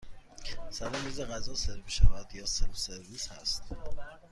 سر میز غذا سرو می شود یا سلف سرویس هست؟